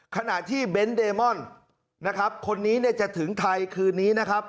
ขณะที่เบนท์เดมอนนะครับคนนี้เนี่ยจะถึงไทยคืนนี้นะครับ